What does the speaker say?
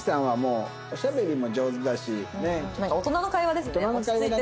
大人の会話ですね。